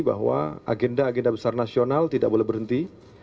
bahwa agenda agenda besar nasional tidak boleh berhenti